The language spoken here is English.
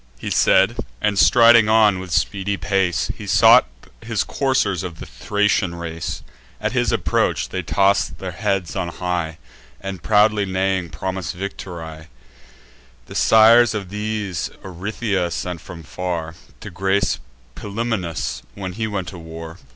He said, and striding on, with speedy pace, He sought his coursers of the Thracian race. At his approach they toss their heads on high, And, proudly neighing, promise victory. The sires of these Orythia sent from far, To grace Pilumnus, when he went to war.